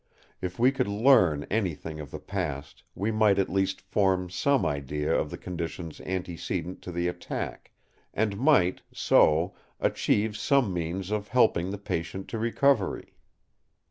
If we could learn anything of the past we might at least form some idea of the conditions antecedent to the attack; and might, so, achieve some means of helping the patient to recovery.